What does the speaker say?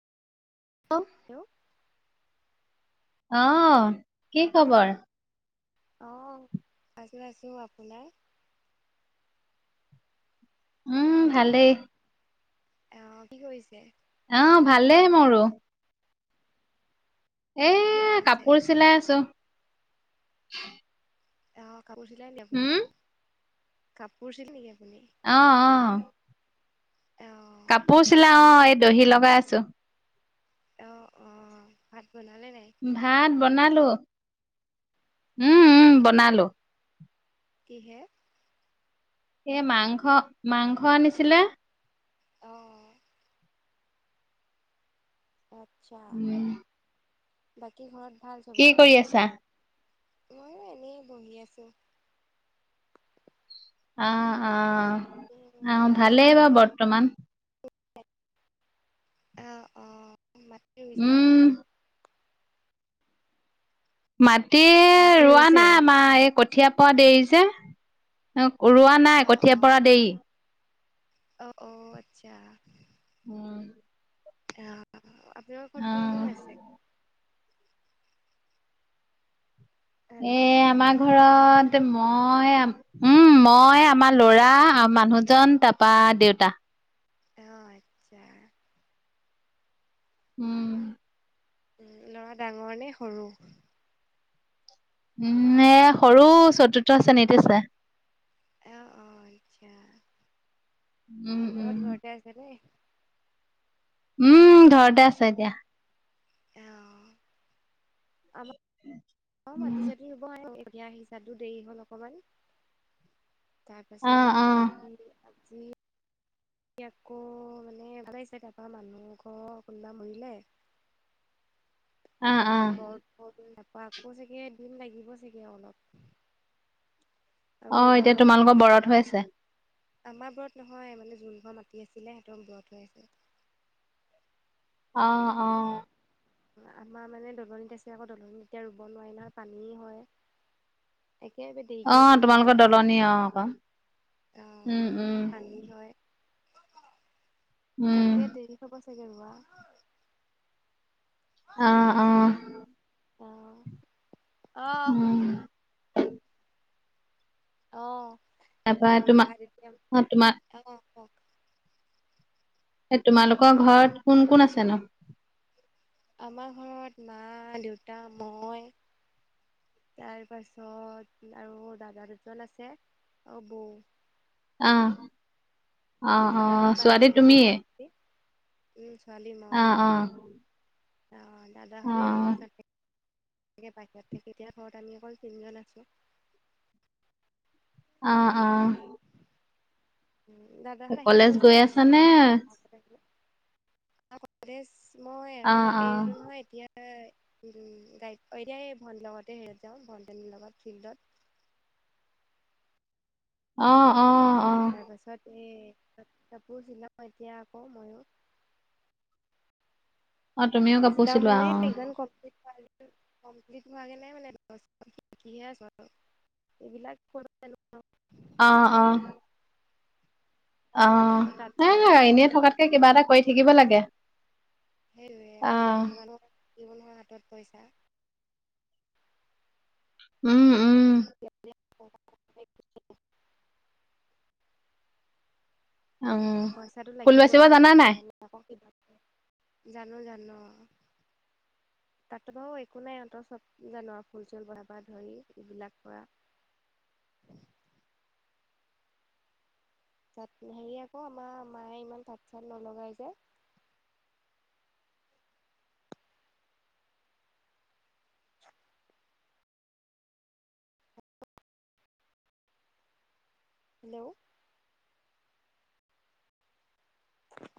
অহ hello! অ' কি খবৰ? অঁ, আছো-আছোঁ। আপোনাৰ? উম হেল্ল'! ভালেই অ' কি কৰিছে? অ' ভালে মোৰো। অ' এই কি কৰি আছে কাপোৰ চিলাই আছোঁ। অ' কাপোৰ চিলাই নি আপুনি? হম কাপোৰ চিলাই নেকি আপুনি? অ' অ'। অ' কাপোৰ ভাত চিলাও অ', বনালে এই দহি লগাই আছো। অ' অ', ভাত বনালে নাই? ভাত বনালো, উম উম বনালো। কি'হে? এ মাংস-মাংস আনিছিলে। অ'। আটচ্ছা! উম বাকী ঘৰত ভাল কি চবৰে? কৰি আছা মইয়ো এনেই বহি আছোঁ। অ' উম অ', মাটি চাটি ভালেই বাৰু বৰ্তমান। অঁ অঁ মাটি ৰুইছেনে? উম মাটি মাটি ৰুৱা ৰুইছে নাই আমাৰ, এই কঠীয়া পৰা দেৰি যে। ৰুৱা নাই অ' কঠীয়া অ' পৰা দেৰি। অ' অ', আটচ্ছা। [inaudible] অ' আপোনাৰ ঘৰত কোন অ কোন আছে? হেল্ল' এ আমাৰ ঘৰত মই উম! মই, আমাৰ ল'ৰা, মানুহজন তাৰপা দেউতা। অ' আচ্ছা। উমঁ'। উমঁ' ল'ৰা ডাঙৰ নে সৰু? উমঁ' এ সৰু চতুৰ্থ শ্ৰেনিট আছে। অঁ' অঁ' আচ্ছা' উম ভিনদৌ হত উম। ঘৰতে আছে নে? উম, ঘৰতে আছে এতিয়া। অঁ' [unintelligible] উম। মাতিছে- [unintelligible] আহিছাটো দেৰি হ'ল অকমান। তাৰ অ', পাছত অ', আজি, আজি আজি আকৌ মানে [unintelligible] তাৰপৰা মানুহ ঘৰ কোনোবা মৰিলে। [unintelligible] অঁ। বা বৰফ [unintelligible] নাপা আকৌ চাগে দিন লাগিব চাগে অলপ। আৰু অ', এতিয়া তোমালোকৰ ডলনিত বৰত আছিলে। হৈ আছে। আমাৰ ওপৰত নহয় মানে যোন ঘৰ মাটি আছিলে সিঁ‌হতৰ [unintelligible] অঁ' অঁ'। আমাৰ মানে দলনিত আছে আকৌ দলনিত এতিয়া ৰুৱ নোৱাৰি নহয় পানী হয়। একেবাৰে দেৰিকে ৰুব অ', লাগিব তোমালোকৰ দলনি অ' আকৌ। আৰু অঁ' উম উম। দলনিত পানী- হয়, উম তাকে দেৰি হ'ব চাগে ৰুৱা। অঁ' অঁ'। অঁ', অঁ'। উম। অঁ' তাৰপৰা তোমাৰ ভাত এতিয়া অ' তোমাৰ অঁ' কওক? এ তোমালোকৰ ঘৰত কোন কোন আছে নো? আমাৰ ঘৰত মা, দেউতা, মই তাৰপাছত আৰু দাদা দুজন আছে আৰু বৌ। অঁ', অঁ' দাদাহঁত অঁ' ছোৱালী তুমিয়ে? উমঁ' ছোৱালী মই অ', অঁ', অ', অঁ', দাদাহঁতে অ', ঘৰত না থাকে বাহিৰত থাকে, এতিয়া ঘৰত আমি অকল তিনিজন আছোঁ। অঁ', অঁ'। দাদাহঁত আহি কলেজ গৈছে গৈ বা বেছিদিন আছানে? হোৱা নাই [unintelligible] কলেজ- মই এৰা অ', না, অ', এৰিলো নহয় এতিয়া। এতিয়া ভণ্টীৰ লগতে হেৰিত যাওঁ ভণ্টেজনি লগত ফিল্ডত। [unintelligible] অ', অ'। অ', তাৰপাছত এই কাপোৰ চিলাওঁ এতিয়া আকৌ মইয়ো। অ', তুমিও। কাপোৰ চিলাও চিলোৱা মানে অ', ইজন [unintelligible] কমপ্লিট হোৱাগে নাই মানে [unintelligible] শিকিহে আছোঁ আৰু। এইবিলাক [unintelligible] অ', অ'। অঁ', তাঁত নাই লগাই নাই এনেই থকাতকে কিবা এটা কৰি থাকিব লাগে। সেইটোৱে, আকৌ অ', ছোৱালী মানুহৰ [unintelligible] হাতত পইচা। উম। উম, [unintelligible] উম, পইচাটো ফুল বাচিব লাগিবই জানা আৰু [unintelligible] নাই? কাৰনে আকৌ কিবা [unintelligible] জানো জানো। তাতো বাৰু একো নাই অঁন্তৰ চ'ব জানো আৰু ফুল চুল বনা পৰা ধৰি এইবিলাক কৰা। তাত হেৰী আকৌ আমাৰ মায়ে ইমান তাত চাত নলগাই যে। হেল্ল'।